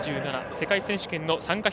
世界選手権の参加